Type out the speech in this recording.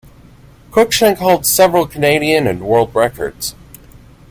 Cruickshank holds several Canadian and world records.